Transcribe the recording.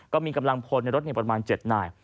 ก็มีกำลังพลในรถประมาณ๗นาย